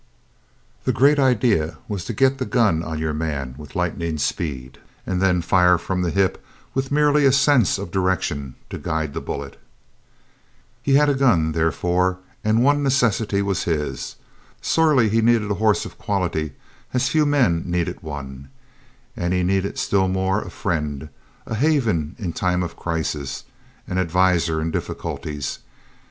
The great idea was to get the gun on your man with lightning speed, and then fire from the hip with merely a sense of direction to guide the bullet. He had a gun, therefore, and one necessity was his. Sorely he needed a horse of quality as few men needed one. And he needed still more a friend, a haven in time of crisis, an adviser in difficulties.